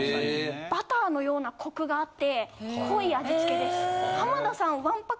バターのようなコクがあって濃い味付けです。